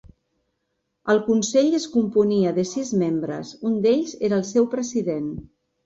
El Consell es componia de sis membres, un d'ells era el seu President.